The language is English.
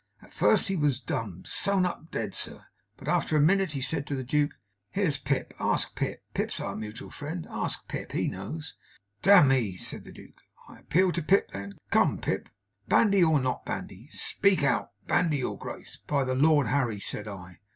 At first he was dumb sewn up, dead, sir but after a minute he said to the Duke, "Here's Pip. Ask Pip. Pip's our mutual friend. Ask Pip. He knows." "Damme!" said the Duke, "I appeal to Pip then. Come, Pip. Bandy or not bandy? Speak out!" "Bandy, your Grace, by the Lord Harry!" said I.